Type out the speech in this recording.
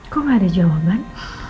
kok gak ada jawaban